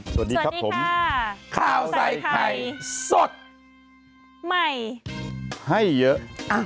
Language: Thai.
สวัสดีครับผมข่าวใส่ไข่สดใหม่ให้เยอะ